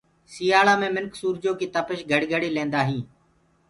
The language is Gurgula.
سيآݪآ مي منک سورجو ڪي تپش گھڙي گھڙي ليندوئي۔